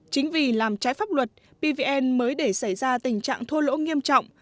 chính vì làm trái pháp luật pvn mới để xảy ra tình trạng thua lỗ nghiêm trọng